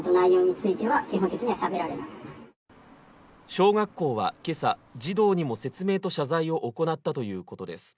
小学校は今朝、児童にも説明と謝罪を行ったということです